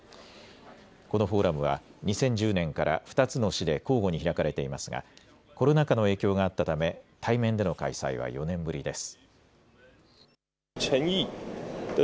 このフォーラムは２０１０年から２つの市で交互に開かれていますがコロナ禍の影響があったため対面での開催は４年ぶりです。